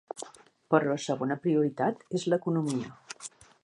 Però la segona prioritat és l’economia.